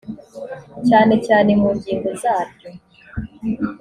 cyane cyane mu ngingo zaryo